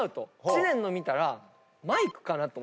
知念の見たらマイクかなと。